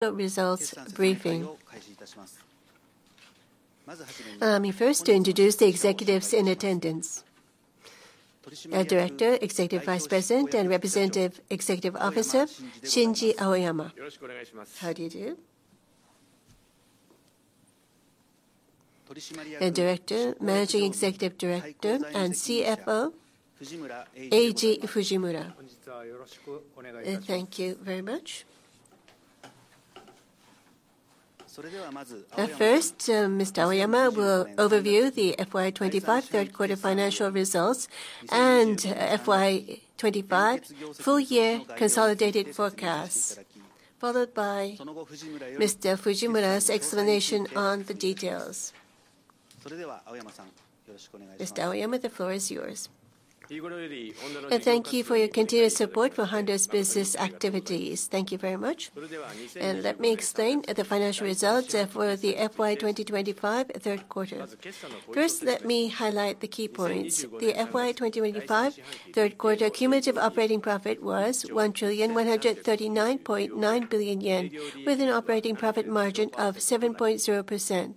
The results briefing. Thank you. I'm first to introduce the executives in attendance: the Director, Executive Vice President, and Representative Executive Officer, Shinji Aoyama. How do you do? The Director, Managing Executive Director, and CFO, Eiji Fujimura. Thank you very much. First, Mr. Aoyama will overview the FY25 Q3 Financial Results and FY25 Full-Year Consolidated Forecasts, followed by Mr. Fujimura's explanation on the details. Mr. Aoyama, the floor is yours. Thank you for your continued support for Honda's business activities. Thank you very much. Let me explain the financial results for the FY2025 Q3. First, let me highlight the key points. The FY2025 Q3 cumulative operating profit was 1,139.9 billion yen, with an operating profit margin of 7.0%.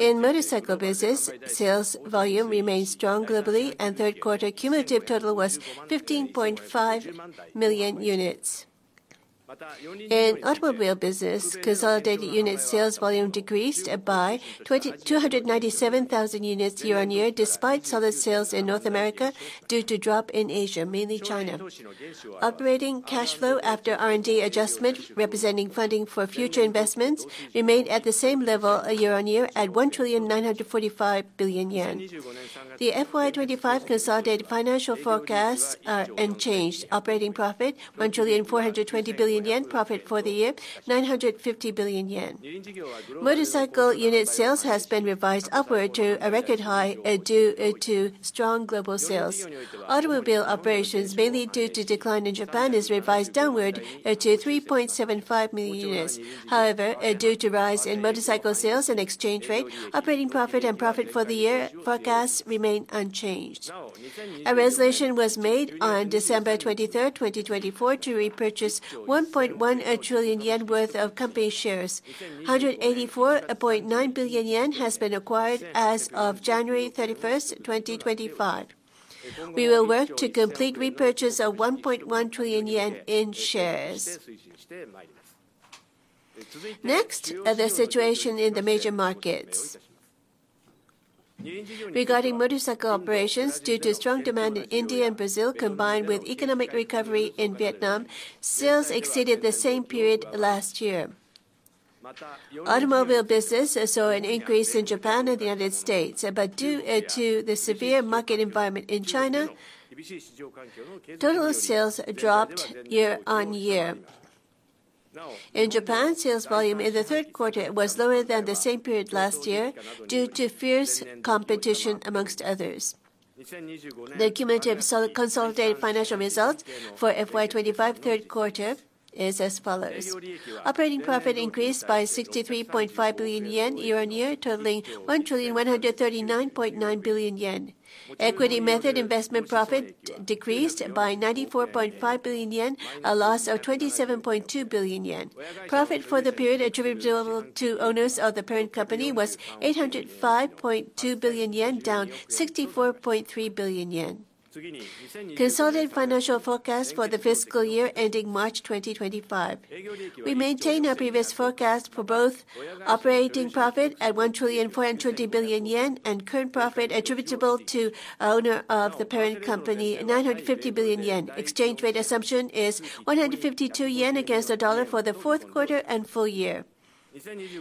In motorcycle business, sales volume remained strong globally, and Q3 cumulative total was 15.5 million units. In automobile business, consolidated unit sales volume decreased by 297,000 units year-on-year, despite solid sales in North America, due to a drop in Asia, mainly China. Operating cash flow, after R&D adjustment representing funding for future investments, remained at the same level year-on-year at 1,945 billion yen. The FY25 consolidated financial forecasts are unchanged: operating profit 1,420 billion yen, profit for the year 950 billion yen. Motorcycle unit sales have been revised upward to a record high due to strong global sales. Automobile operations, mainly due to decline in Japan, are revised downward to 3.75 million units. However, due to a rise in motorcycle sales and exchange rate, operating profit and profit for the year forecasts remain unchanged. A resolution was made on December 23rd 2024, to repurchase 1.1 trillion yen worth of company shares. 184.9 billion yen has been acquired as of January 31st, 2025. We will work to complete the repurchase of 1.1 trillion yen in shares. Next, the situation in the major markets. Regarding motorcycle operations, due to strong demand in India and Brazil, combined with economic recovery in Vietnam, sales exceeded the same period last year. Automobile business saw an increase in Japan and the U.S., but due to the severe market environment in China, total sales dropped year-on-year. In Japan, sales volume in the Q3 was lower than the same period last year due to fierce competition, among others. The cumulative consolidated financial results for FY25 Q3 are as follows: Operating profit increased by 63.5 billion yen year-on-year, totaling 1,139.9 billion yen. Equity method investment profit decreased by 94.5 billion yen, a loss of 27.2 billion yen. Profit for the period attributable to owners of the parent company was 805.2 billion yen, down 64.3 billion yen. Consolidated financial forecast for the fiscal year ending March 2025: We maintain our previous forecast for both operating profit at 1,420 billion yen and current profit attributable to owner of the parent company 950 billion yen. Exchange rate assumption is 152 yen against the dollar for the Q4 and full year.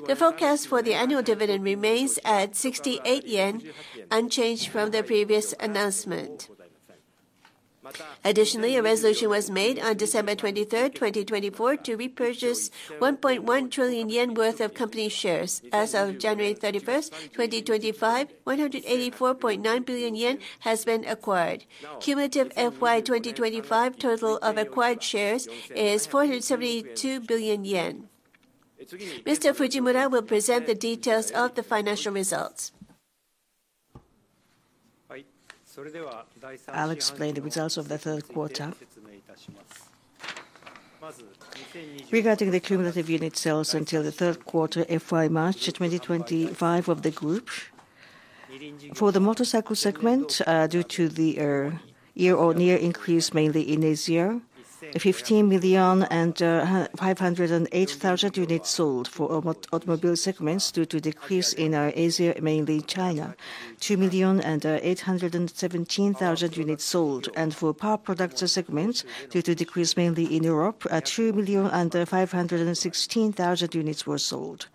The forecast for the annual dividend remains at 68 yen, unchanged from the previous announcement. Additionally, a resolution was made on December 23, 2024, to repurchase 1.1 trillion yen worth of company shares. As of January 31, 2025, 184.9 billion yen has been acquired. Cumulative FY2025 total of acquired shares is 472 billion yen. Mr. Fujimura will present the details of the financial results. I'll explain the results of the Q3. Regarding the cumulative unit sales until the Q3 FY March 2025 of the group, for the motorcycle segment, due to the year-on-year increase mainly in Asia, 15,508,000 units sold; for automobile segments, due to a decrease in Asia, mainly China, 2,817,000 units sold, and for power products segment, due to a decrease mainly in Europe, 2,516,000 units were sold.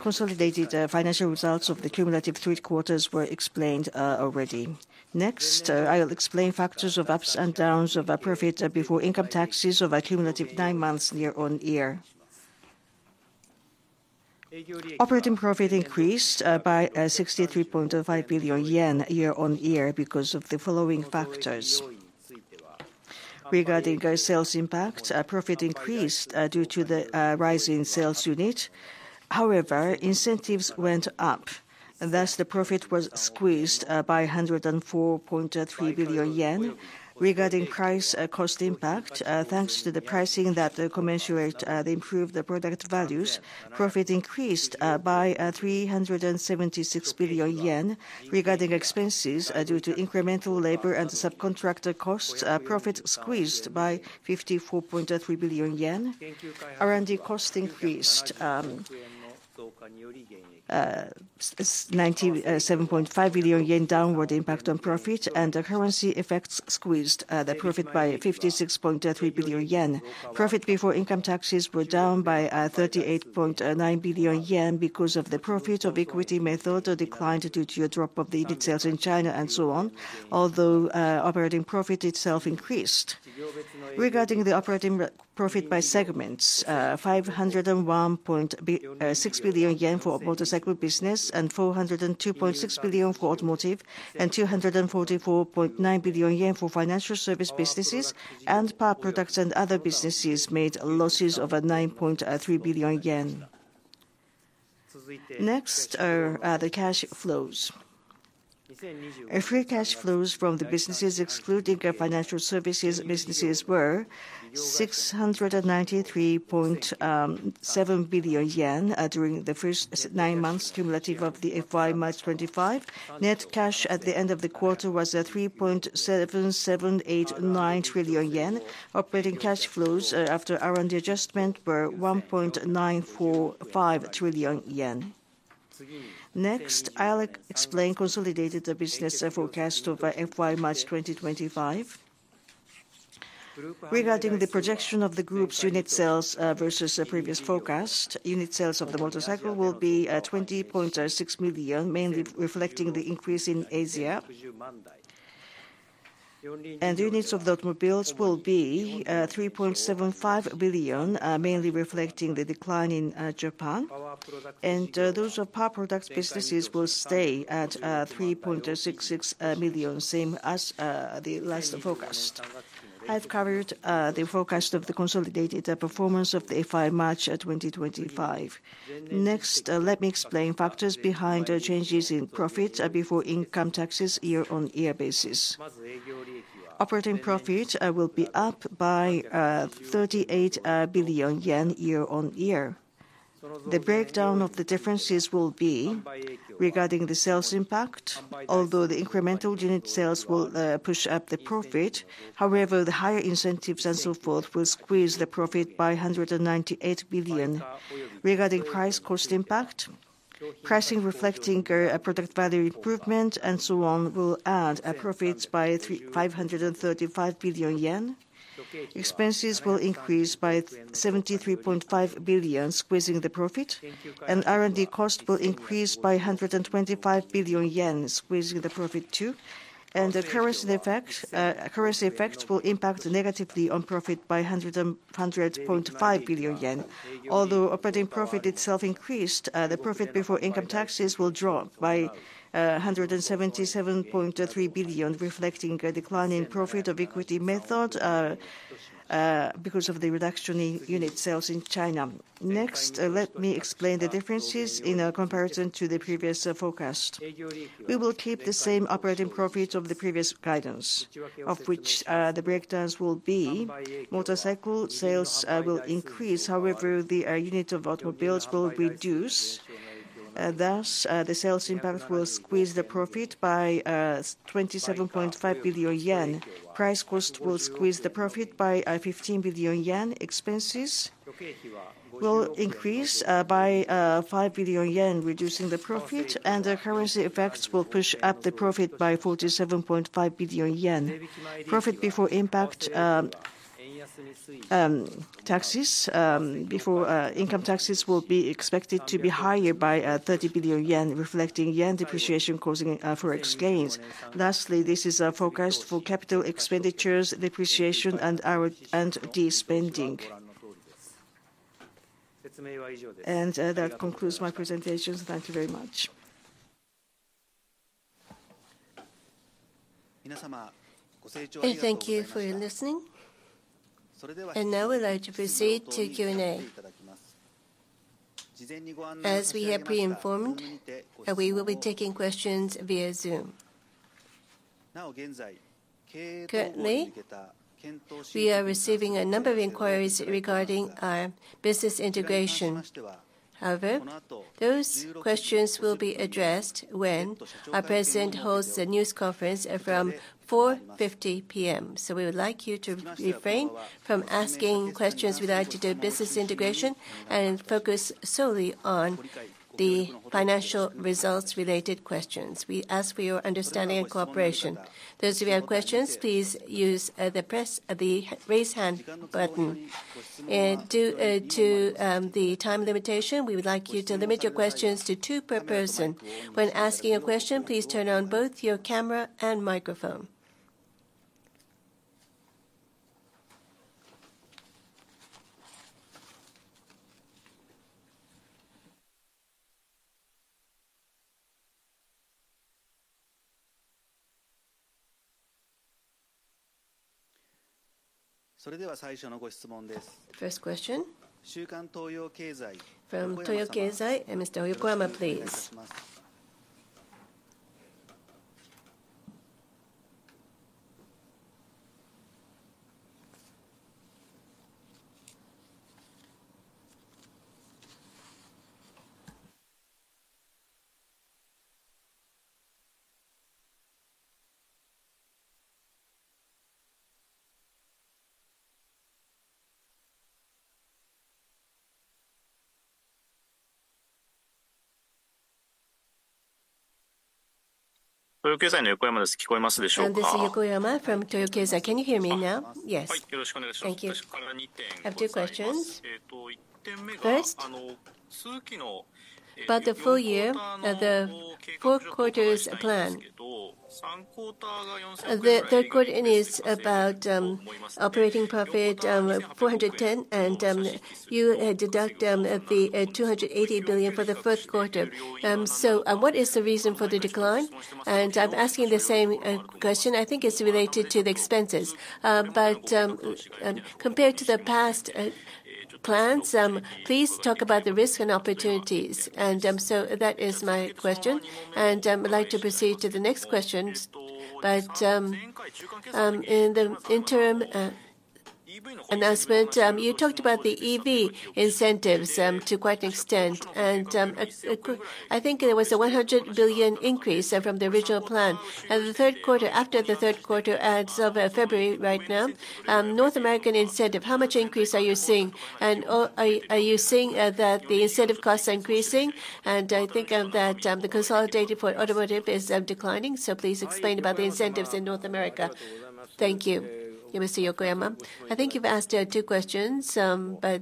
Consolidated financial results of the cumulative three quarters were explained already. Next, I'll explain factors of ups and downs of profit before income taxes of a cumulative nine months year-on-year. Operating profit increased by 63.5 billion yen year-on-year because of the following factors. Regarding sales impact, profit increased due to the rise in sales unit. However, incentives went up. Thus, the profit was squeezed by 104.3 billion yen. Regarding price cost impact, thanks to the pricing that commensurate improved the product values, profit increased by 376 billion yen. Regarding expenses, due to incremental labor and subcontractor costs, profit squeezed by 54.3 billion yen. R&D cost increased 97.5 billion yen downward impact on profit, and the currency effects squeezed the profit by 56.3 billion yen. Profit before income taxes were down by 38.9 billion yen because of the profit of equity method declined due to a drop of the unit sales in China and so on, although operating profit itself increased. Regarding the operating profit by segments, 501.6 billion yen for motorcycle business and 402.6 billion for automotive and 244.9 billion yen for financial service businesses and power products and other businesses made losses of 9.3 billion yen. Next are the cash flows. Free cash flows from the businesses, excluding financial services businesses, were 693.7 billion yen during the first nine months cumulative of the FY March 2025. Net cash at the end of the quarter was 3.7789 trillion yen. Operating cash flows after R&D adjustment were 1.945 trillion yen. Next, I'll explain consolidated business forecast of FY March 2025. Regarding the projection of the group's unit sales versus the previous forecast, unit sales of the motorcycle will be 20.6 million, mainly reflecting the increase in Asia. Units of the automobiles will be 3.75 million, mainly reflecting the decline in Japan. Those of power products businesses will stay at 3.66 million, same as the last forecast. I've covered the forecast of the consolidated performance of FY March 2025. Next, let me explain factors behind changes in profit before income taxes year-on-year basis. Operating profit will be up by 38 billion yen year-on-year. The breakdown of the differences will be regarding the sales impact, although the incremental unit sales will push up the profit. However, the higher incentives and so forth will squeeze the profit by 198 billion. Regarding price cost impact, pricing reflecting product value improvement and so on will add profits by 535 billion yen. Expenses will increase by 73.5 billion, squeezing the profit, and R&D cost will increase by 125 billion yen, squeezing the profit too, and the currency effects will impact negatively on profit by 100.5 billion yen. Although operating profit itself increased, the profit before income taxes will drop by 177.3 billion, reflecting a declining profit of Equity Method because of the reduction in unit sales in China. Next, let me explain the differences in comparison to the previous forecast. We will keep the same operating profit of the previous guidance, of which the breakdowns will be motorcycle sales will increase. However, the unit of automobiles will reduce. Thus, the sales impact will squeeze the profit by 27.5 billion yen. Price cost will squeeze the profit by 15 billion yen. Expenses will increase by 5 billion yen, reducing the profit. And the currency effects will push up the profit by 47.5 billion yen. Profit before income taxes will be expected to be higher by 30 billion yen, reflecting yen depreciation causing forex gains. Lastly, this is a forecast for capital expenditures, depreciation, and our R&D spending. And that concludes my presentation. Thank you very much. Thank you for your listening. And now I would like to proceed to Q&A. As we have pre-informed, we will be taking questions via Zoom. Currently, we are receiving a number of inquiries regarding our business integration. However, those questions will be addressed when our president holds a news conference from 4:50 P.M. So we would like you to refrain from asking questions related to business integration and focus solely on the financial results-related questions. We ask for your understanding and cooperation. Those of you who have questions, please use the raise hand button. And due to the time limitation, we would like you to limit your questions to two per person. When asking a question, please turn on both your camera and microphone. それでは最初のご質問です。First question. 週刊東洋経済。From Toyo Keizai, Mr. Yokoyama, please. Toyo Keizaiの横山です。聞こえますでしょうか。This is Yokoyama from Toyo Keizai. Can you hear me now? Yes. はい、よろしくお願いします。Thank you. 二点。Have two questions. 一点目が。First? 通期の。About the full year, the four quarters plan. The Q3 is about operating profit 410 billion, and you deduct the 280 billion for the Q4. So what is the reason for the decline? And I'm asking the same question. I think it's related to the expenses. But compared to the past plans, please talk about the risk and opportunities. And so that is my question. And I'd like to proceed to the next question. But in the interim announcement, you talked about the EV incentives to quite an extent. And I think there was a 100 billion increase from the original plan. And the Q3 after the Q3 ends of February right now, North American incentive, how much increase are you seeing? And are you seeing that the incentive costs are increasing? And I think that the consolidated for automotive is declining. So please explain about the incentives in North America. Thank you. Mr. Yokoyama, I think you've asked two questions, but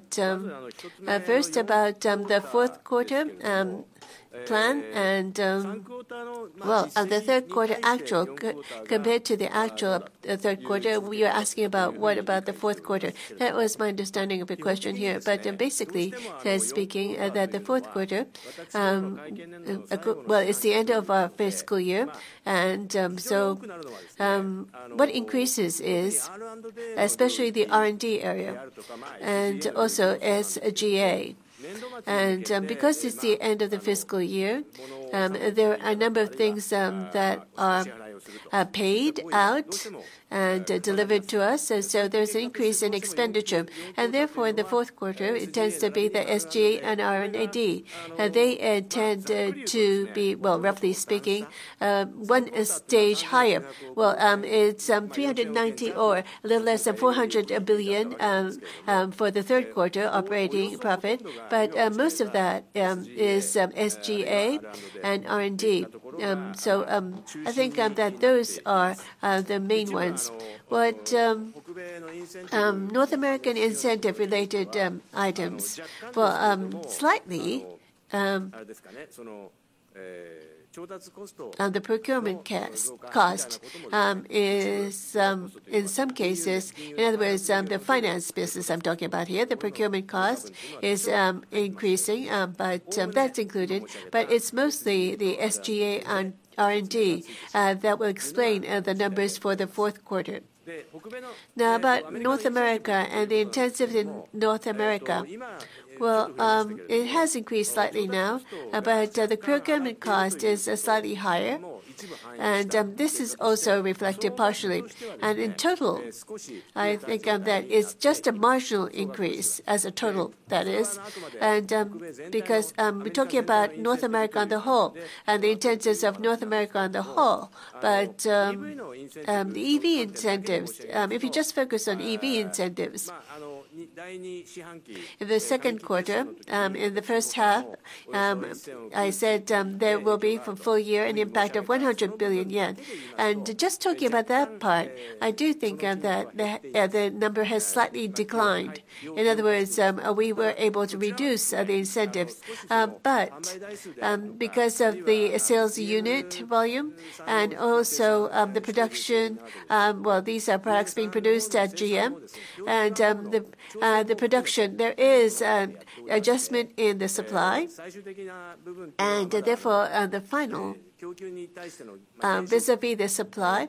first, about the Q4 plan. Well, the Q3 actual, compared to the actual Q3, we are asking about what about the Q4. That was my understanding of the question here. But basically speaking, the Q4, well, it's the end of our fiscal year. And so what increases is especially the R&D area and also SG&A. And because it's the end of the fiscal year, there are a number of things that are paid out and delivered to us. And so there's an increase in expenditure. And therefore, in the Q4, it tends to be the SG&A and R&D. They tend to be, well, roughly speaking, one stage higher. Well, it's 390 billion or a little less than 400 billion for the Q3 operating profit. But most of that is SG&A and R&D. So I think that those are the main ones. But North American incentive-related items, well, slightly, the procurement cost is, in some cases, in other words, the finance business I'm talking about here, the procurement cost is increasing. But that's included. But it's mostly the SG&A and R&D that will explain the numbers for the Q4. Now, about North America and the incentives in North America. Well, it has increased slightly now, but the procurement cost is slightly higher. And this is also reflected partially. And in total, I think that is just a marginal increase as a total, that is. Because we're talking about North America on the whole and the incentives of North America on the whole, but the EV incentives, if you just focus on EV incentives, in the Q2, in the first half, I said there will be for full year an impact of 100 billion yen. Just talking about that part, I do think that the number has slightly declined. In other words, we were able to reduce the incentives. But because of the sales unit volume and also the production, well, these are products being produced at GM. And the production, there is an adjustment in the supply. And therefore, the final, vis-à-vis the supply,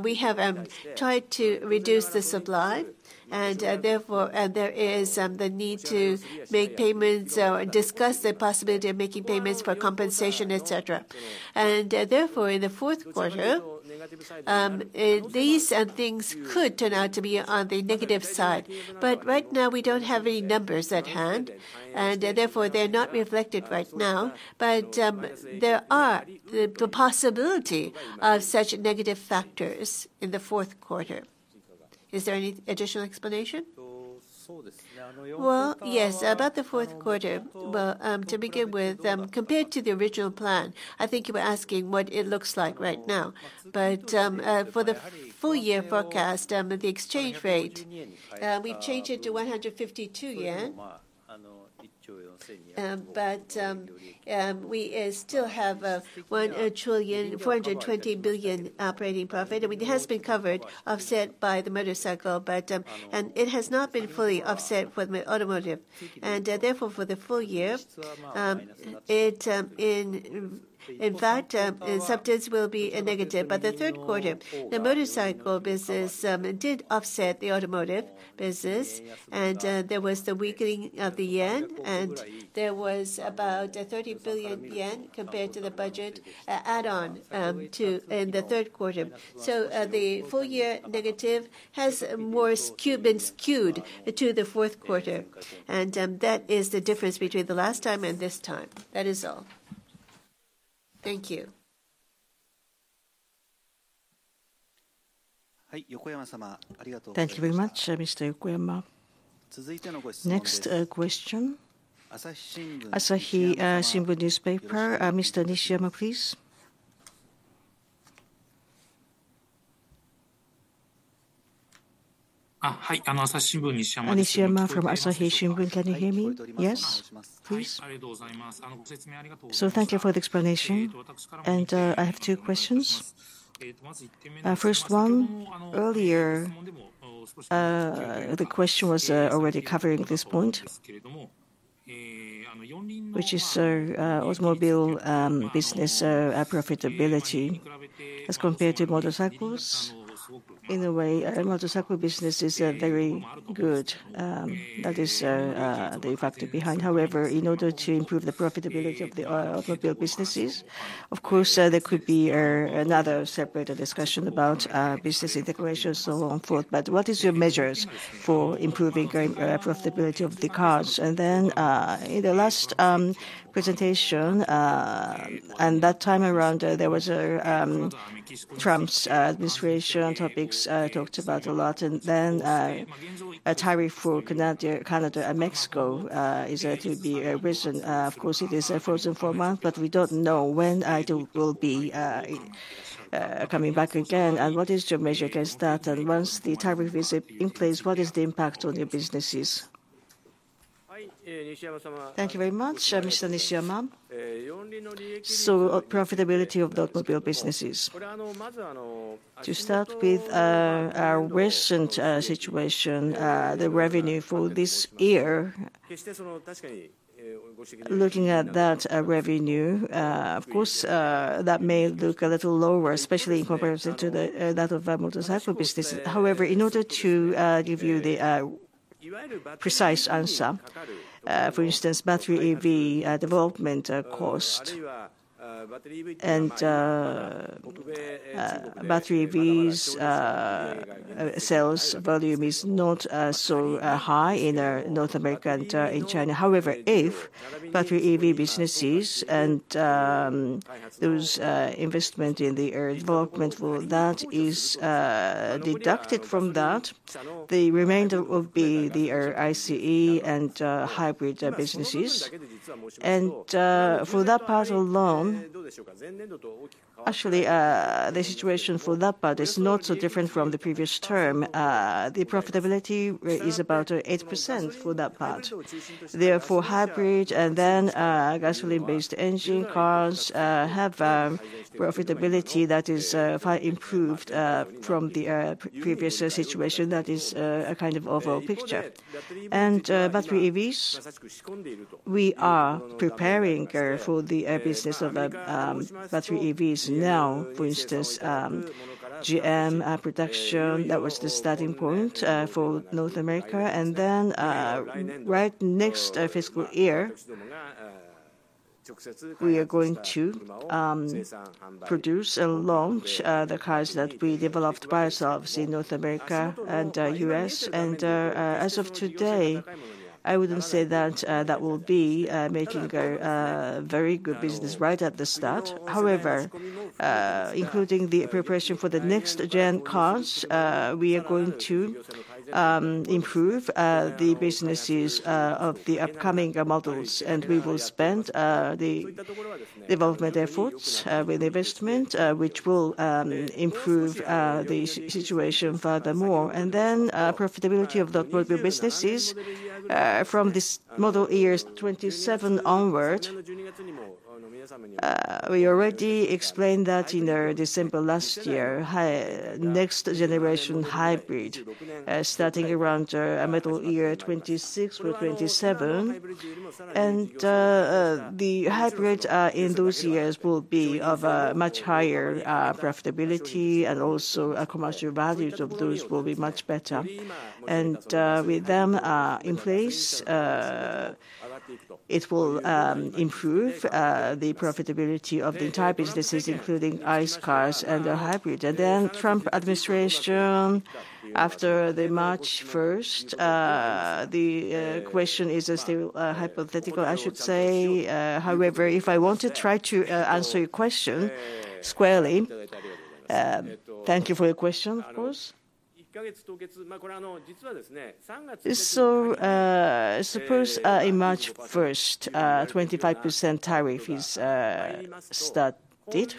we have tried to reduce the supply. And therefore, there is the need to make payments or discuss the possibility of making payments for compensation, etc. Therefore, in the Q4, these things could turn out to be on the negative side. But right now, we don't have any numbers at hand. And therefore, they're not reflected right now. But there is the possibility of such negative factors in the Q4. Is there any additional explanation? Well, yes, about the Q4. Well, to begin with, compared to the original plan, I think you were asking what it looks like right now. But for the full year forecast, the exchange rate, we've changed it to 152 yen. But we still have 1.42 trillion operating profit. And it has been covered, offset by the motorcycle. But it has not been fully offset for the automotive. And therefore, for the full year, it, in fact, subsidies will be negative. But the Q3, the motorcycle business did offset the automotive business. There was the weakening of the yen. There was about 30 billion yen compared to the budget add-on in the Q3. The full year negative has more been skewed to the Q4. That is the difference between the last time and this time. That is all. Thank you. はい、横山様。Thank you very much, Mr. Yokoyama. Next question. Asahi Shimbun newspaper, Mr. Nishiyama, please. はい、朝日新聞、西山です。Nishiyama from Asahi Shimbun, can you hear me? Yes, please. ありがとうございます。ご説明ありがとうございました。Thank you for the explanation. I have two questions. First one, earlier, the question was already covering this point, which is automotive business profitability as compared to motorcycles. In a way, the motorcycle business is very good. That is the factor behind. However, in order to improve the profitability of the automotive businesses, of course, there could be another separate discussion about business integration and so forth. But what are your measures for improving profitability of the cars? In the last presentation, that time around, there was a Trump administration topics talked about a lot. A tariff for Canada and Mexico is to be raised. Of course, it is frozen for a month, but we don't know when it will be coming back again. What is your measure against that? And once the tariff is in place, what is the impact on your businesses? Thank you very much, Mr. Nishiyama. So profitability of the automotive businesses. To start with our recent situation, the revenue for this year, looking at that revenue, of course, that may look a little lower, especially in comparison to that of motorcycle businesses. However, in order to give you the precise answer, for instance, battery EV development cost and battery EVs sales volume is not so high in North America and in China. However, if battery EV businesses and those investments in the development for that is deducted from that, the remainder will be the ICE and hybrid businesses. And for that part alone, actually, the situation for that part is not so different from the previous term. The profitability is about 8% for that part. Therefore, hybrid and then gasoline-based engine cars have profitability that is far improved from the previous situation. That is a kind of overall picture, and battery EVs, we are preparing for the business of battery EVs now. For instance, GM production, that was the starting point for North America, and then right next fiscal year, we are going to produce and launch the cars that we developed by ourselves in North America and the US, and as of today, I wouldn't say that that will be making a very good business right at the start. However, including the preparation for the next-gen cars, we are going to improve the businesses of the upcoming models, and we will spend the development efforts with investment, which will improve the situation furthermore. Then profitability of the automotive businesses from this model year 27 onward, we already explained that in December last year, next-generation hybrid starting around model year 26 or 27. And the hybrid in those years will be of a much higher profitability. And also commercial values of those will be much better. And with them in place, it will improve the profitability of the entire businesses, including ICE cars and the hybrid. And then Trump administration, after the March 1st, the question is still hypothetical, I should say. However, if I want to try to answer your question squarely, thank you for your question, of course. So suppose in March 1st, 25% tariff is started,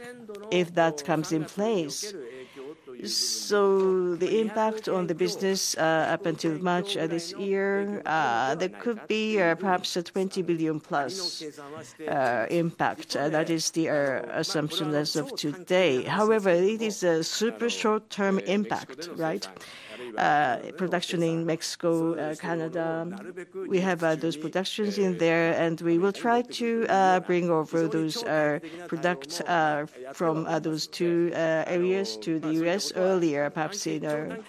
if that comes in place, so the impact on the business up until March this year, there could be perhaps a 20 billion-plus impact. That is the assumption as of today. However, it is a super short-term impact, right? Production in Mexico, Canada, we have those productions in there. And we will try to bring over those products from those two areas to the U.S. earlier, perhaps in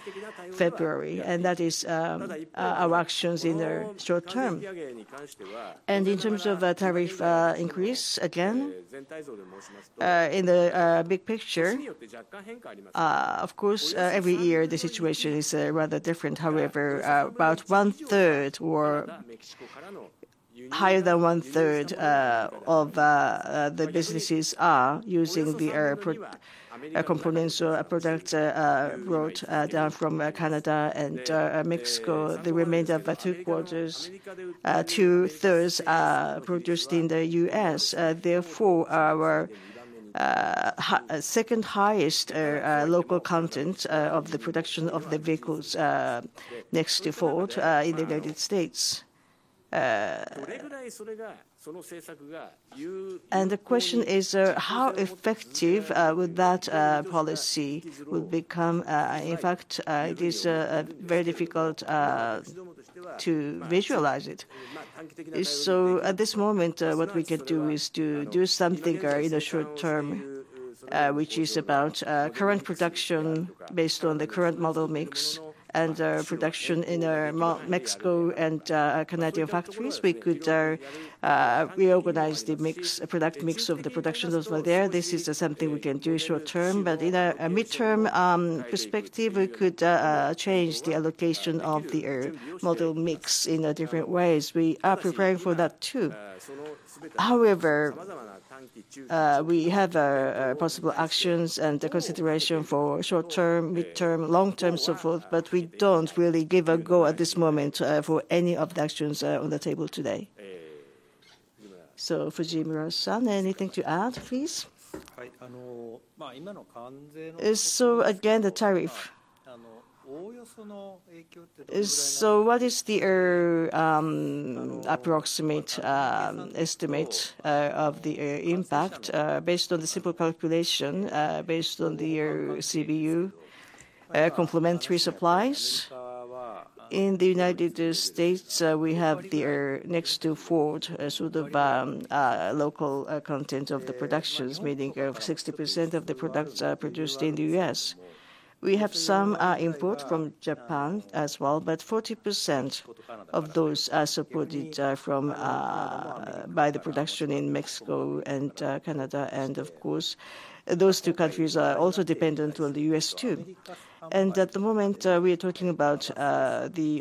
February. And that is our actions in the short term. And in terms of tariff increase, again, in the big picture, of course, every year the situation is rather different. However, about one-third or higher than one-third of the businesses are using the components or products brought down from Canada and Mexico. The remainder of two quarters, two-thirds, are produced in the U.S. Therefore, our second highest local content of the production of the vehicles next to Ford in the U.S.. And the question is, how effective would that policy become? In fact, it is very difficult to visualize it. So at this moment, what we can do is to do something in the short term, which is about current production based on the current model mix and production in Mexico and Canadian factories. We could reorganize the product mix of the production that was there. This is something we can do short term. But in a midterm perspective, we could change the allocation of the model mix in different ways. We are preparing for that too. However, we have possible actions and consideration for short term, midterm, long term, so forth. But we don't really give a go at this moment for any of the actions on the table today. So Fujimura-san, anything to add, please? はい、今の関税の。So, again, the tariff. So, what is the approximate estimate of the impact based on the simple calculation, based on the CBU complementary supplies? In the U.S., we have the next to Ford sort of local content of the productions, meaning 60% of the products are produced in the U.S. We have some input from Japan as well, but 40% of those are supported by the production in Mexico and Canada. And, of course, those two countries are also dependent on the U.S. too. And at the moment, we are talking about the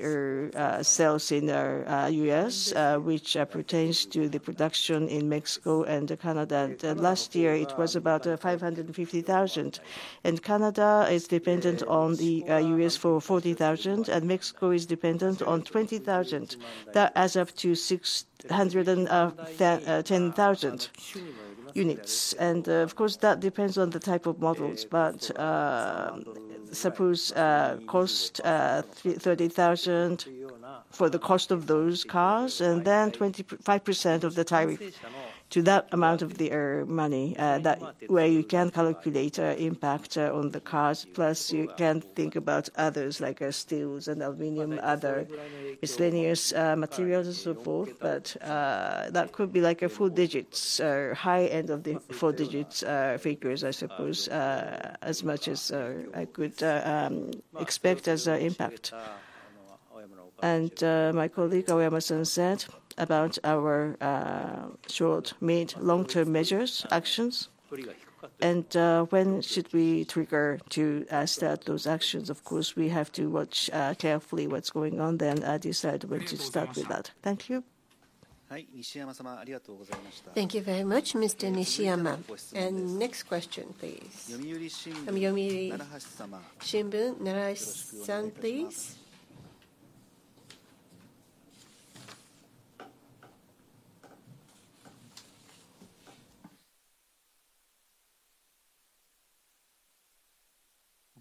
sales in the U.S., which pertains to the production in Mexico and Canada. Last year, it was about 550,000. And Canada is dependent on the U.S. for 40,000. And Mexico is dependent on 20,000. That adds up to 610,000 units. And, of course, that depends on the type of models. But suppose [the] cost [is] $30,000 for the cost of those cars, and then 25% of the tariff to that amount of the money where you can calculate impact on the cars. Plus, you can think about others like steel and aluminum, other miscellaneous materials, and so forth. But that could be like a four-digit, high end of the four-digit figures, I suppose, as much as I could expect as an impact. My colleague Aoyama-san said about our short-, mid-, long-term measures, actions. When should we trigger to start those actions? Of course, we have to watch carefully what's going on, then decide when to start with that. Thank you. はい、西山様、ありがとうございました。Thank you very much, Mr. Nishiyama. And next question, please. 読売新聞、奈良橋さん、please. 読売新聞の奈良橋です。Narahashi from Yomiuri Shimbun newspaper, thank you.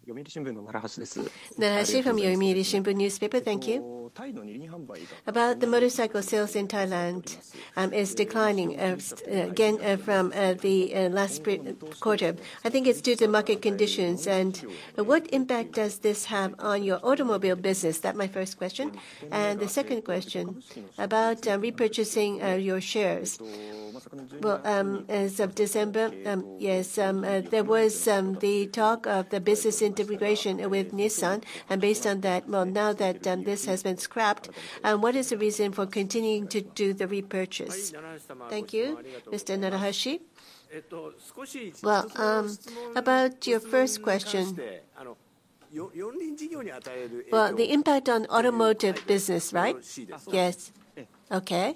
About the motorcycle sales in Thailand. It's declining from the last quarter. I think it's due to market conditions, and what impact does this have on your automobile business? That's my first question, and the second question about repurchasing your shares. Well, as of December, yes, there was the talk of the business integration with Nissan, and based on that, well, now that this has been scrapped, what is the reason for continuing to do the repurchase? Thank you. Mr. Narahashi. About your first question, the impact on automotive business, right? Yes. Okay.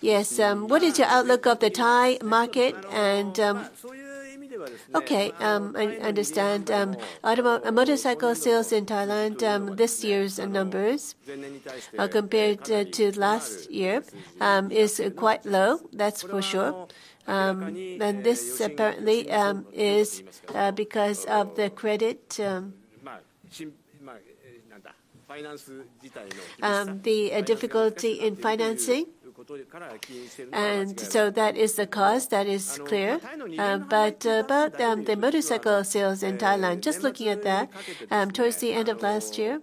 Yes. What is your outlook of the Thai market? Okay, I understand. Motorcycle sales in Thailand this year's numbers compared to last year is quite low. That's for sure. This apparently is because of the credit, the difficulty in financing. So that is the cause. That is clear. About the motorcycle sales in Thailand, just looking at that towards the end of last year,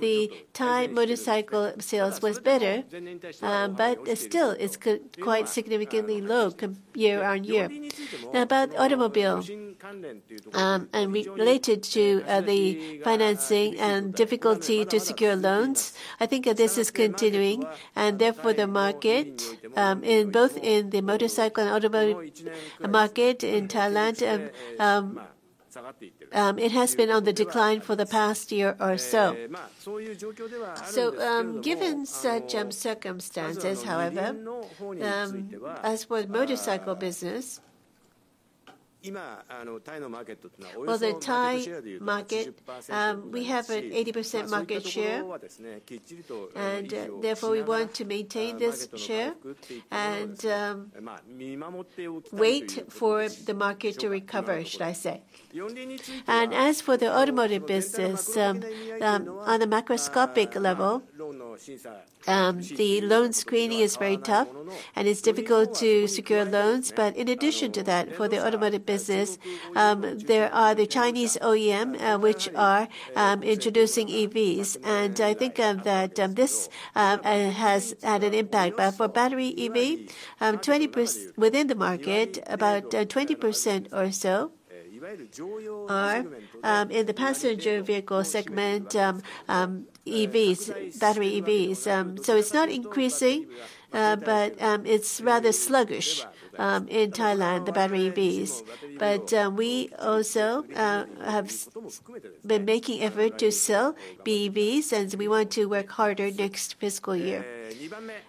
the Thai motorcycle sales was better. Still, it's quite significantly low year-on-year. Now, about automobile and related to the financing and difficulty to secure loans, I think this is continuing. Therefore, the market, both in the motorcycle and automobile market in Thailand, it has been on the decline for the past year or so. So given such circumstances, however, as for the motorcycle business, well, the Thai market, we have an 80% market share. And therefore, we want to maintain this share and wait for the market to recover, should I say. And as for the automotive business, on a macroscopic level, the loan screening is very tough. And it's difficult to secure loans. But in addition to that, for the automotive business, there are the Chinese OEM, which are introducing EVs. And I think that this has had an impact. But for battery EV, within the market, about 20% or so are in the passenger vehicle segment, EVs, battery EVs. So it's not increasing, but it's rather sluggish in Thailand, the battery EVs. But we also have been making effort to sell BEVs, and we want to work harder next fiscal year.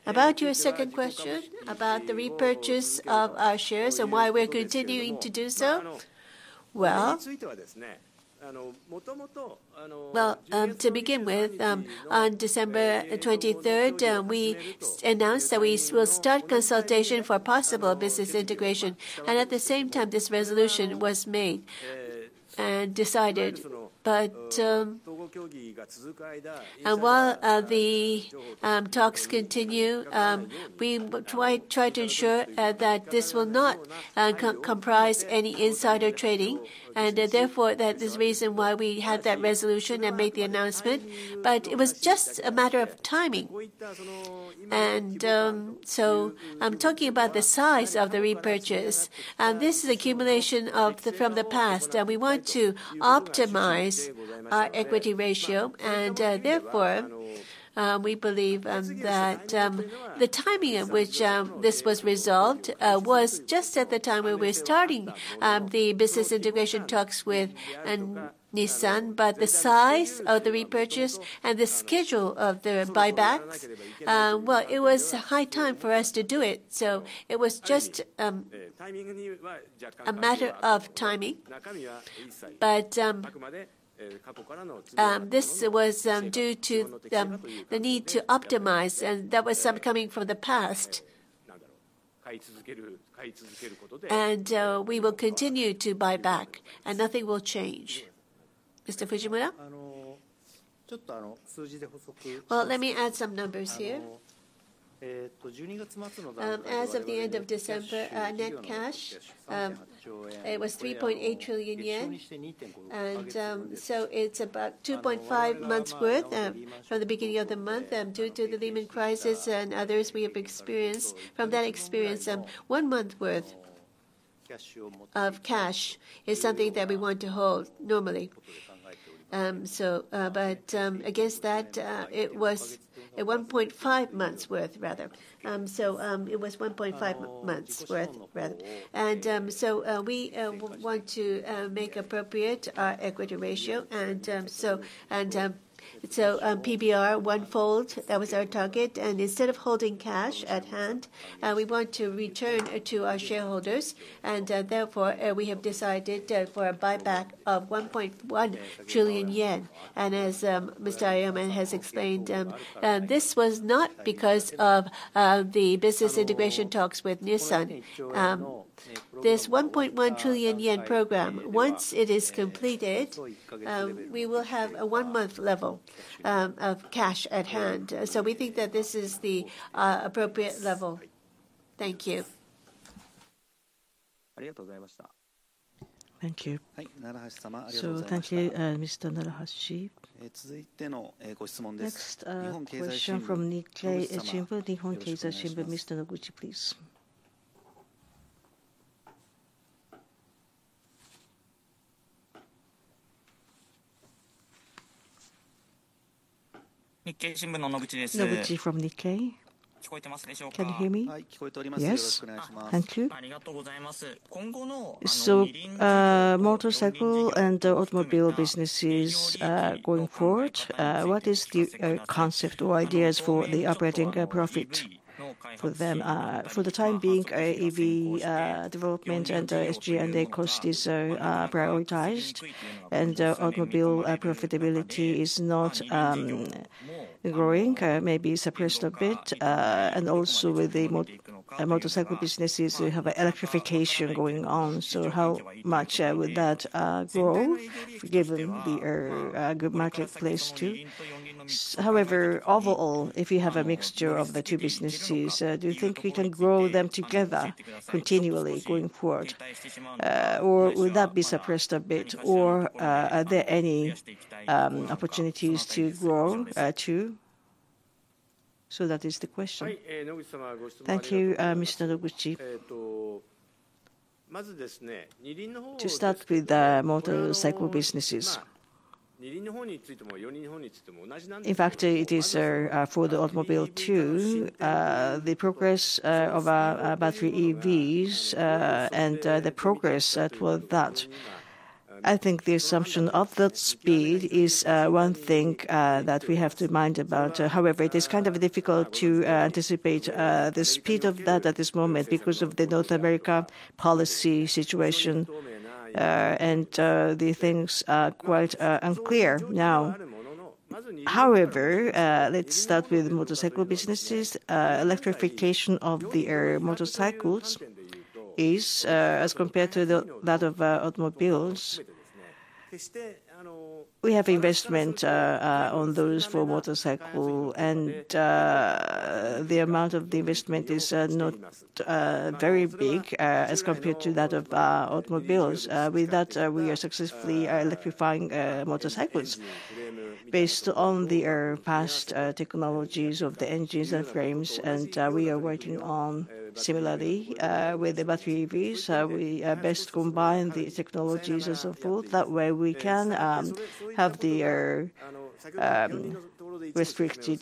About your second question about the repurchase of our shares and why we're continuing to do so, well, to begin with, on December 23rd, we announced that we will start consultation for possible business integration, and at the same time, this resolution was made and decided, but while the talks continue, we try to ensure that this will not comprise any insider trading, and therefore, that is the reason why we had that resolution and made the announcement, but it was just a matter of timing, and so I'm talking about the size of the repurchase. This is accumulation from the past, and we want to optimize our equity ratio, and therefore, we believe that the timing at which this was resolved was just at the time when we were starting the business integration talks with Nissan. But the size of the repurchase and the schedule of the buybacks, well, it was high time for us to do it. So it was just a matter of timing. But this was due to the need to optimize. And that was something coming from the past. And we will continue to buy back. And nothing will change. Mr. Fujimura? Well, let me add some numbers here. As of the end of December, net cash, it was 3.8 trillion yen. And so it's about 2.5 months' worth from the beginning of the month. Due to the Lehman crisis and others we have experienced, from that experience, one month's worth of cash is something that we want to hold normally. But against that, it was 1.5 months' worth, rather. And so we want to make appropriate our equity ratio. PBR, one-fold, that was our target. Instead of holding cash at hand, we want to return it to our shareholders. Therefore, we have decided for a buyback of 1.1 trillion yen. As Mr. Aoyama has explained, this was not because of the business integration talks with Nissan. This 1.1 trillion yen program, once it is completed, we will have a one-month level of cash at hand. We think that this is the appropriate level. Thank you. Thank you. So thank you, Mr. Narahashi. 続いてのご質問です。Next, a question from Nikkei Shimbun, Nikkei Shimbun, Mr. Noguchi, please. 日経新聞の野口です。Noguchi from Nikkei. 聞こえてますでしょうか。Can you hear me? はい、聞こえております。よろしくお願いします。Thank you. ありがとうございます。今後の。So, motorcycle and automobile businesses going forward, what is the concept or ideas for the operating profit for them? For the time being, EV development and SG&A cost is prioritized, and automobile profitability is not growing. Maybe suppressed a bit. Also with the motorcycle businesses, we have electrification going on, so how much would that grow, given the good marketplace too? However, overall, if you have a mixture of the two businesses, do you think you can grow them together continually going forward, or would that be suppressed a bit, or are there any opportunities to grow too? That is the question. Thank you, Mr. Noguchi. To start with the motorcycle businesses. In fact, it is for the automobile too. The progress of our battery EVs and the progress toward that. I think the assumption of that speed is one thing that we have to mind about. However, it is kind of difficult to anticipate the speed of that at this moment because of the North America policy situation, and the things are quite unclear now. However, let's start with the motorcycle businesses. Electrification of the motorcycles is, as compared to that of automobiles, we have investment on those for motorcycles, and the amount of the investment is not very big as compared to that of automobiles. With that, we are successfully electrifying motorcycles based on the past technologies of the engines and frames, and we are working on similarly with the battery EVs. We best combine the technologies and so forth. That way, we can have the restricted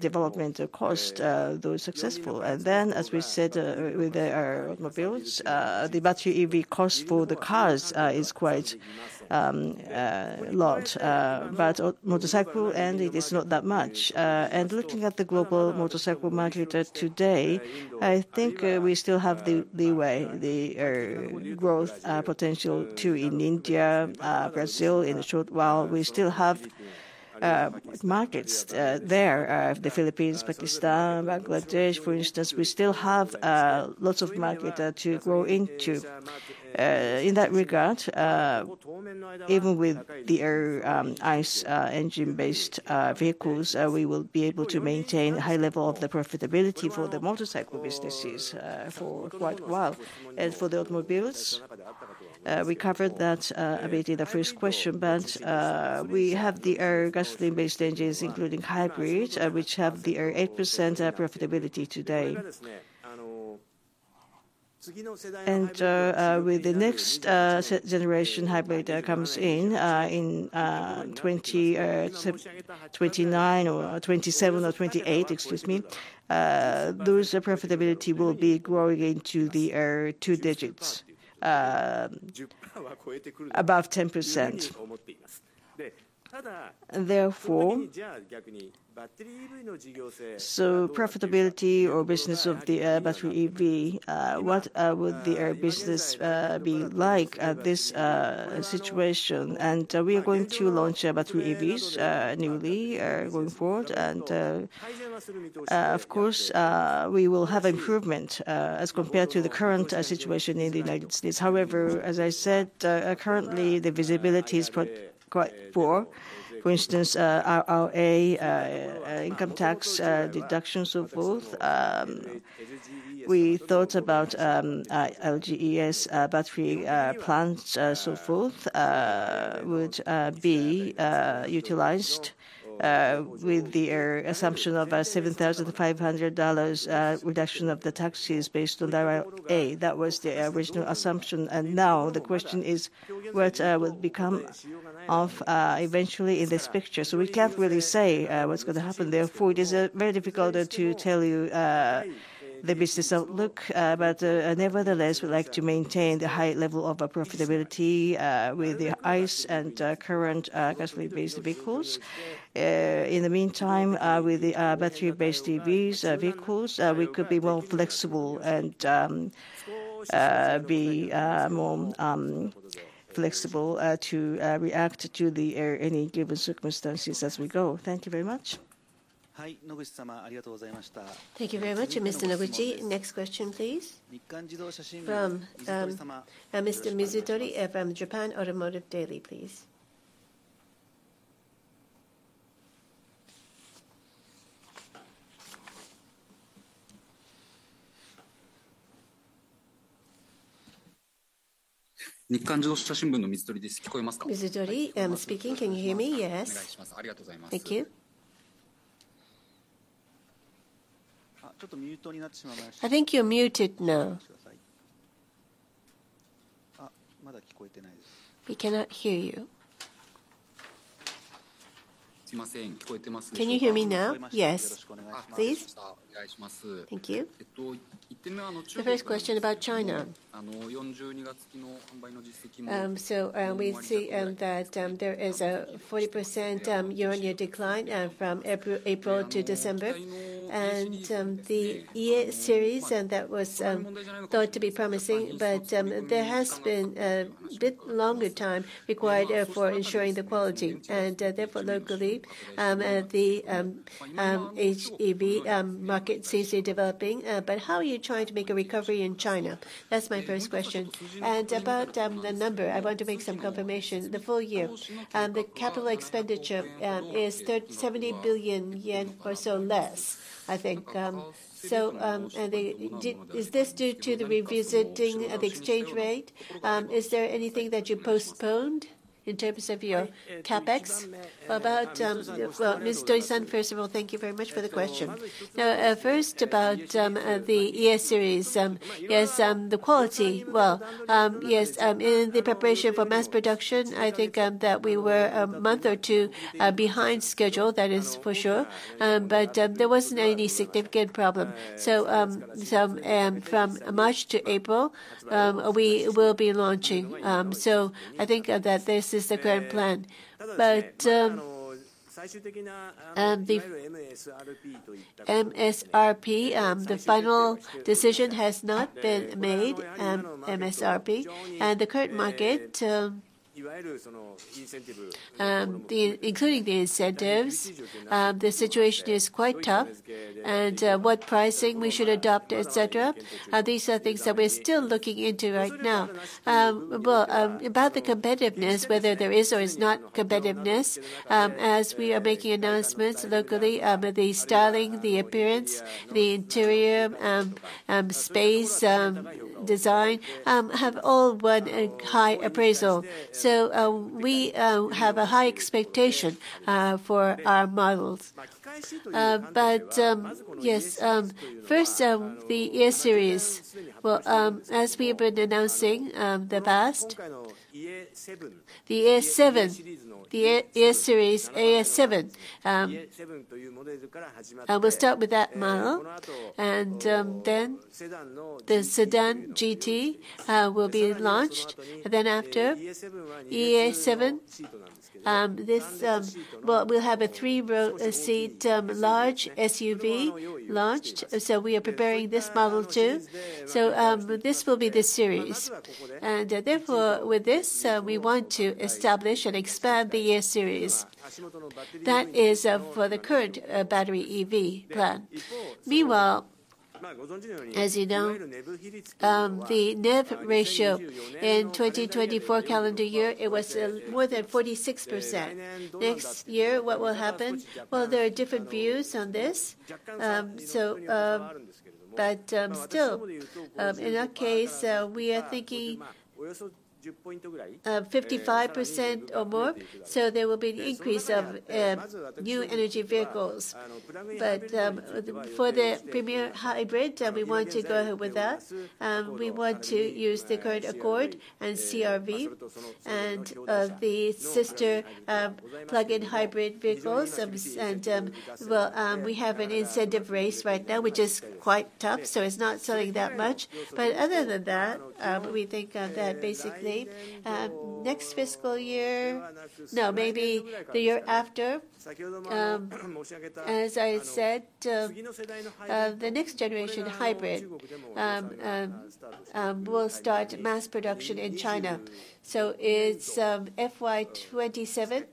development cost those successful, and then, as we said with the automobiles, the battery EV cost for the cars is quite a lot, but motorcycle, and it is not that much. Looking at the global motorcycle market today, I think we still have the leeway, the growth potential too in India, Brazil in a short while. We still have markets there. The Philippines, Pakistan, Bangladesh, for instance, we still have lots of market to grow into. In that regard, even with the ICE engine-based vehicles, we will be able to maintain a high level of the profitability for the motorcycle businesses for quite a while. For the automobiles, we covered that a bit in the first question. We have the gasoline-based engines, including hybrids, which have the 8% profitability today. With the next generation hybrid comes in 2029 or 2027 or 2028, excuse me, those profitability will be growing into the two digits, above 10%. Therefore, profitability or business of the battery EV, what would the business be like at this situation? We are going to launch battery EVs newly going forward. Of course, we will have improvement as compared to the current situation in the U.S.. However, as I said, currently, the visibility is quite poor. For instance, IRA, income tax deductions, so forth. We thought about LGES battery plants and so forth would be utilized with the assumption of a $7,500 reduction of the taxes based on IRA. That was the original assumption. Now the question is what will become of eventually in this picture. We can't really say what's going to happen. Therefore, it is very difficult to tell you the business outlook. Nevertheless, we'd like to maintain the high level of profitability with the ICE and current gasoline-based vehicles. In the meantime, with the battery-based EVs, vehicles, we could be more flexible and be more flexible to react to any given circumstances as we go. Thank you very much. Thank you very much, Mr. Noguchi. Next question, please. From Mr. Mizutori from Japan Automotive Daily, please. 日刊自動車新聞の水鳥です。聞こえますか。Mizutori speaking. Can you hear me? Yes. お願いします。ありがとうございます。Thank you. ちょっとミュートになってしまいました。Thank you. Muted now. お待ちください。まだ聞こえてないです。We cannot hear you. すいません。聞こえてますでしょうか。Can you hear me now? Yes. よろしくお願いします。Thank you. 一点目は。The first question about China. 42月期の販売の実績も。We see that there is a 40% year-on-year decline from April to December. The Ye Series, that was thought to be promising, but there has been a bit longer time required for ensuring the quality. Therefore, locally, the HEV market seems to be developing. But how are you trying to make a recovery in China? That's my first question. About the number, I want to make some confirmation. The full-year capital expenditure is 70 billion yen or so less, I think. So is this due to the revisiting of the exchange rate? Is there anything that you postponed in terms of your CapEx? Mizutori-san, first of all, thank you very much for the question. Now, first about the Ye Series. Yes, the quality, well, yes, in the preparation for mass production, I think that we were a month or two behind schedule. That is for sure. But there wasn't any significant problem. So from March to April, we will be launching. So I think that this is the current plan. But the MSRP, the final decision has not been made, MSRP. And the current market, including the incentives, the situation is quite tough. And what pricing we should adopt, et cetera, these are things that we're still looking into right now. But about the competitiveness, whether there is or is not competitiveness, as we are making announcements locally, the styling, the appearance, the interior space design have all won high appraisal. So we have a high expectation for our models. But yes, first, the Ye series. Well, as we've been announcing the past, the S7, the Ye series S7. We'll start with that model and then the Sedan GT will be launched and then after S7, we'll have a three-row seat large SUV launched so we are preparing this model too so this will be the series and therefore, with this, we want to establish and expand the Ye Series. That is for the current battery EV plan. Meanwhile, as you know, the NEV ratio in 2024 calendar year, it was more than 46%. Next year, what will happen? Well, there are different views on this, but still, in that case, we are thinking 55% or more so there will be an increase of new energy vehicles, but for the premier hybrid, we want to go ahead with that. We want to use the current Accord and CR-V and the sister plug-in hybrid vehicles and well, we have an intense race right now, which is quite tough. So it's not selling that much. But other than that, we think that basically next fiscal year, no, maybe the year after, as I said, the next generation hybrid will start mass production in China. So it's FY2027.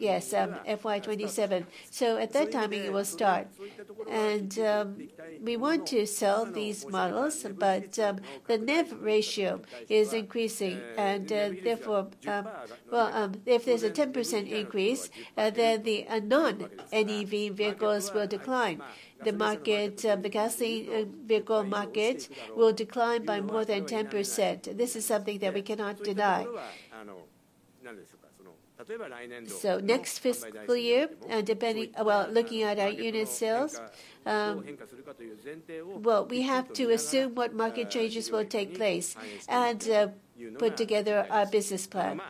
Yes, FY2027. So at that time, it will start. And we want to sell these models. But the NEV ratio is increasing. And therefore, well, if there's a 10% increase, then the non-NEV vehicles will decline. The gasoline vehicle market will decline by more than 10%. This is something that we cannot deny. So next fiscal year, depending, well, looking at our unit sales, well, we have to assume what market changes will take place and put together our business plan.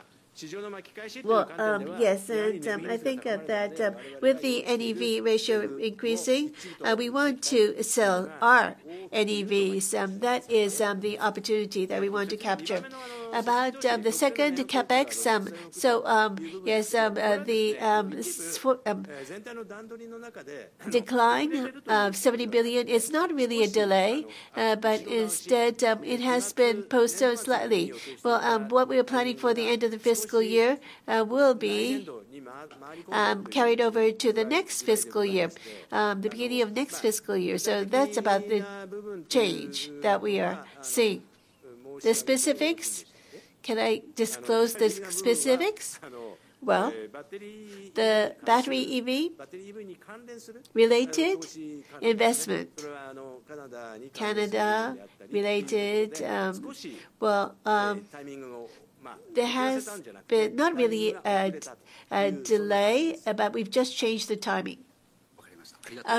Well, yes. And I think that with the NEV ratio increasing, we want to sell our NEVs. That is the opportunity that we want to capture. About the second CapEx. So yes, the decline of 70 billion is not really a delay, but instead, it has been postponed slightly. Well, what we are planning for the end of the fiscal year will be carried over to the next fiscal year, the beginning of next fiscal year. So that's about the change that we are seeing. The specifics, can I disclose the specifics? Well, the battery EV related investment, Canada related, well, there has been not really a delay, but we've just changed the timing.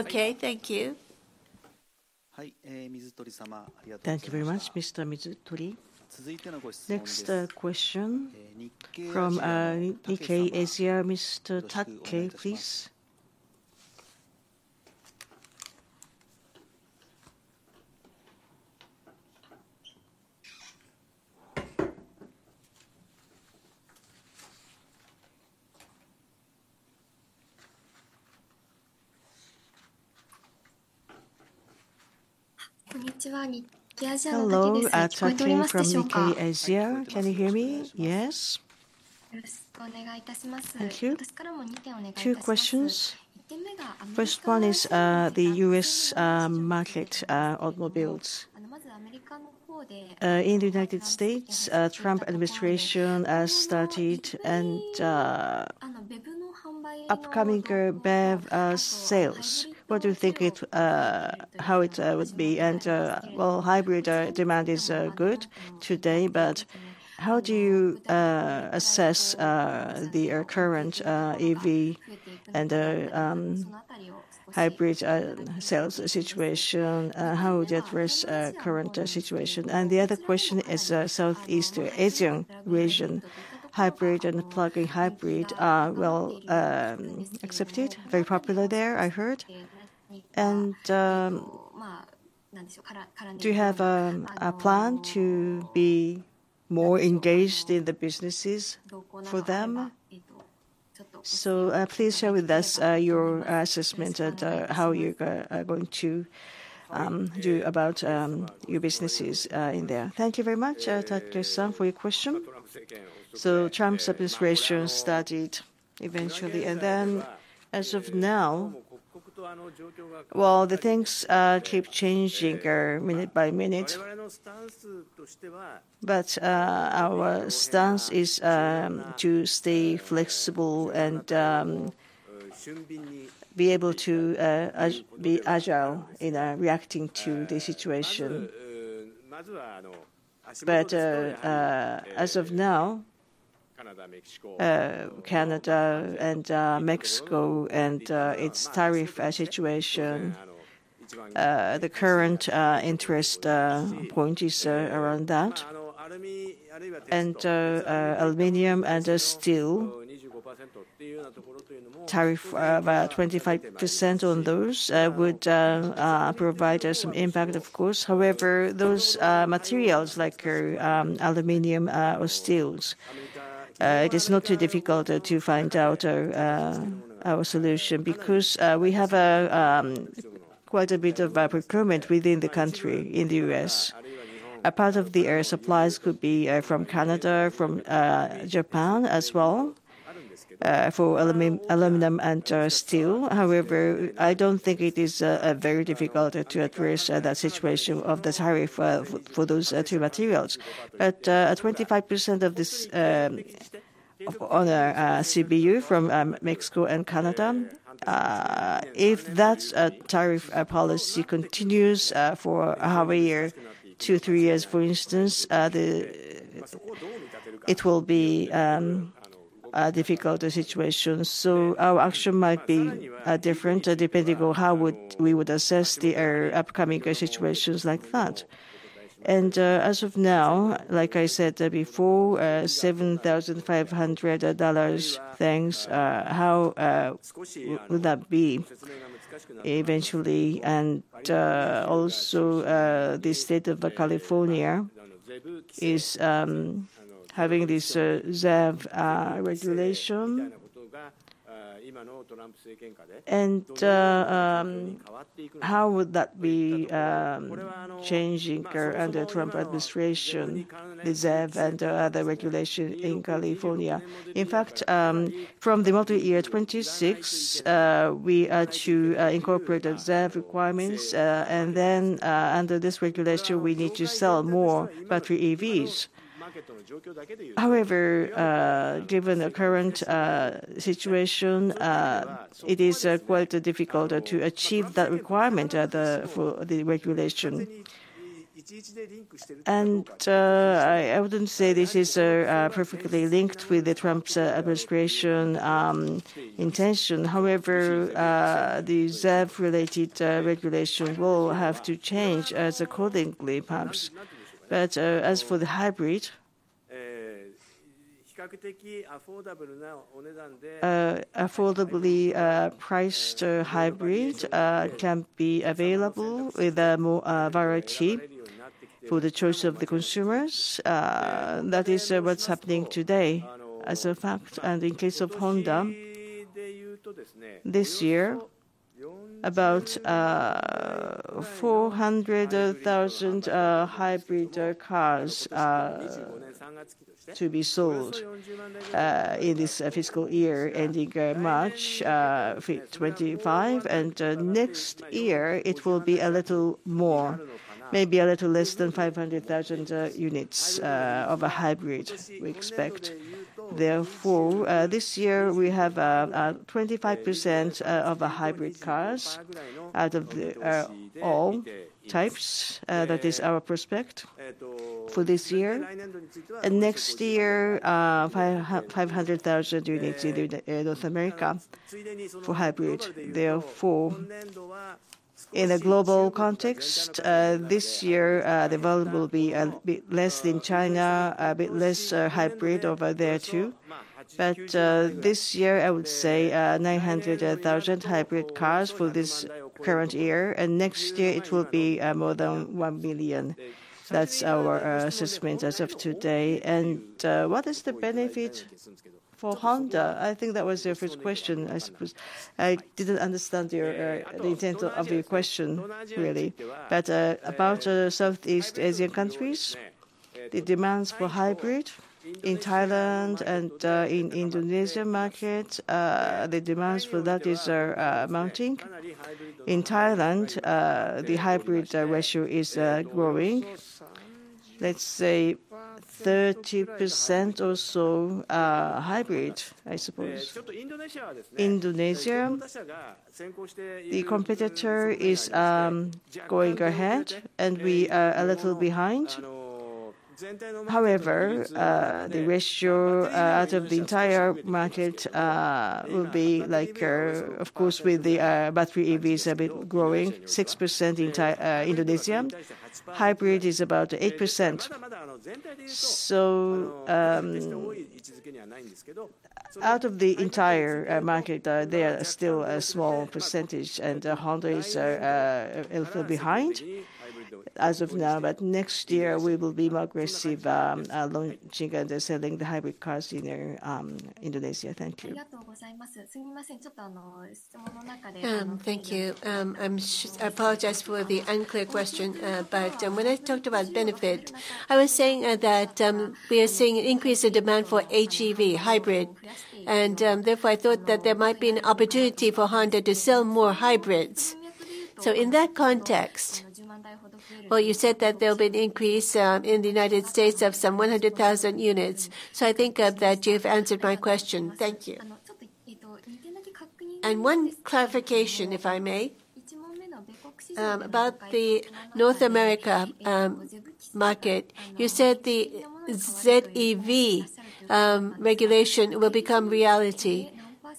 Okay, thank you. はい、水鳥様。Thank you very much, Mr. Mizutori. Next question from Nikkei Asia. Mr. Takei, please. こんにちは。日経アジアの森です。聞こえておりますでしょうか。Can you hear me? Yes. よろしくお願いいたします。Thank you. 私からも2点お願いいたします。Two questions. 1点目が。First one is the U.S. market, automobiles. まずアメリカの方で。In the U.S., Trump administration has started upcoming BEV sales. What do you think how it would be? And well, hybrid demand is good today. But how do you assess the current EV and hybrid sales situation? How would you address current situation? And the other question is Southeast Asian region, hybrid and plug-in hybrid, well accepted, very popular there, I heard. And do you have a plan to be more engaged in the businesses for them? So please share with us your assessment and how you are going to do about your businesses in there. Thank you very much, Takei-san, for your question. So Trump's administration started eventually. And then as of now, well, the things keep changing minute by minute. But our stance is to stay flexible and be able to be agile in reacting to the situation. But as of now, Canada and Mexico and its tariff situation, the current interest point is around that. And aluminum and steel, tariff about 25% on those would provide some impact, of course. However, those materials like aluminum or steel, it is not too difficult to find out our solution because we have quite a bit of procurement within the country, in the U.S. A part of the supplies could be from Canada, from Japan as well for aluminum and steel. However, I don't think it is very difficult to address that situation of the tariff for those two materials. But 25% of this on CBU from Mexico and Canada, if that tariff policy continues for a year, two, three years, for instance, it will be a difficult situation. So our action might be different depending on how we would assess the upcoming situations like that. And as of now, like I said before, $7,500 things. How would that be eventually? And also the state of California is having this ZEV regulation. And how would that be changing under Trump administration, the ZEV and other regulation in California? In fact, from the model year 26, we are to incorporate the ZEV requirements. And then under this regulation, we need to sell more battery EVs. However, given the current situation, it is quite difficult to achieve that requirement for the regulation. And I wouldn't say this is perfectly linked with Trump's administration intention. However, the ZEV-related regulation will have to change accordingly, perhaps. But as for the hybrid, affordably priced hybrid can be available with more variety for the choice of the consumers. That is what's happening today, as a fact. In case of Honda, this year, about 400,000 hybrid cars are to be sold in this fiscal year ending March 31, 2025. Next year, it will be a little more, maybe a little less than 500,000 units of a hybrid we expect. Therefore, this year, we have 25% of hybrid cars out of all types. That is our prospect for this year. Next year, 500,000 units in North America for hybrid. Therefore, in a global context, this year, the volume will be a bit less than China, a bit less hybrid over there too. This year, I would say 900,000 hybrid cars for this current year. Next year, it will be more than 1 million. That's our assessment as of today. What is the benefit for Honda? I think that was your first question, I suppose. I didn't understand the intent of your question, really. But about Southeast Asian countries, the demands for hybrid in Thailand and in the Indonesian market, the demands for that is mounting. In Thailand, the hybrid ratio is growing, let's say 30% or so hybrid, I suppose. Indonesia, the competitor is going ahead, and we are a little behind. However, the ratio out of the entire market will be like, of course, with the battery EVs a bit growing, 6% in Indonesia. Hybrid is about 8%. So out of the entire market, they are still a small percentage, and Honda is a little behind as of now. But next year, we will be more aggressive launching and selling the hybrid cars in Indonesia. Thank you. ありがとうございます。すみません、ちょっと質問の中で。Thank you. I apologize for the unclear question. But when I talked about benefit, I was saying that we are seeing an increase in demand for HEV, hybrid. And therefore, I thought that there might be an opportunity for Honda to sell more hybrids. So in that context, well, you said that there will be an increase in the U.S. of some 100,000 units. So I think that you've answered my question. Thank you. And one clarification, if I may, about the North America market. You said the ZEV regulation will become reality.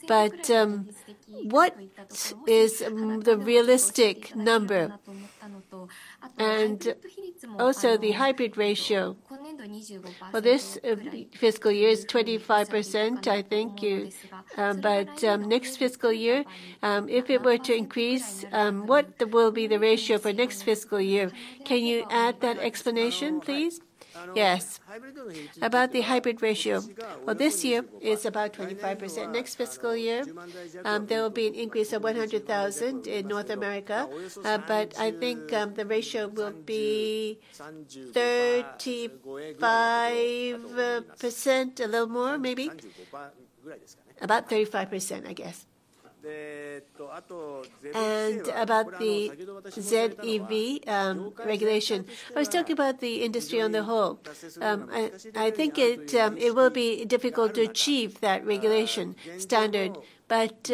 But what is the realistic number? And also, the hybrid ratio for this fiscal year is 25%, I think. But next fiscal year, if it were to increase, what will be the ratio for next fiscal year? Can you add that explanation, please? Yes. About the hybrid ratio. Well, this year is about 25%. Next fiscal year, there will be an increase of 100,000 in North America. But I think the ratio will be 35%, a little more, maybe. About 35%, I guess. And about the ZEV regulation, I was talking about the industry on the whole. I think it will be difficult to achieve that regulation standard. But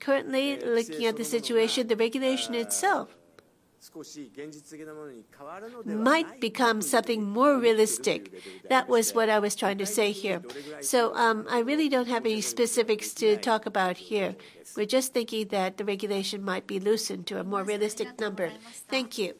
currently, looking at the situation, the regulation itself might become something more realistic. That was what I was trying to say here. So I really don't have any specifics to talk about here. We're just thinking that the regulation might be loosened to a more realistic number. Thank you.